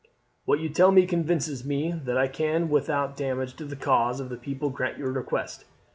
"What you tell me convinces me that I can without damage to the cause of the people grant your request.